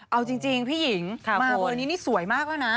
เอาจริงพี่หญิงมาเบอร์นี้นี่สวยมากแล้วนะ